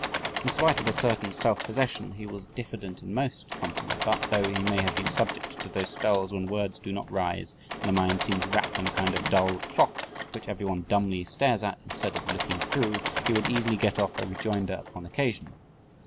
In spite of a certain self possession he was diffident in most company, but, though he may have been subject to those spells when words do not rise and the mind seems wrapped in a kind of dull cloth which everyone dumbly stares at, instead of looking through he would easily get off a rejoinder upon occasion.